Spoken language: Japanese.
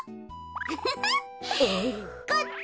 フフフ。こっち！